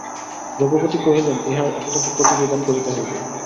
রঘুপতি কহিলেন, ইহার একটা তো প্রতিবিধান করিতে হইবে।